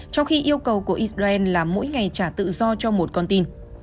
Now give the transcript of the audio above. trong khi yêu cầu của israel là mỗi ngày trả tự do cho một con tin